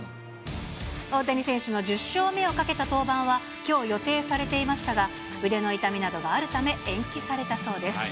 大谷選手の１０勝目をかけた登板は、きょう予定されていましたが、腕の痛みなどがあるため、延期されたそうです。